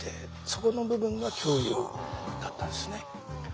そこの部分が共有だったんですね。